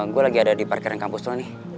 gue lagi ada di parkiran kampus tuh nih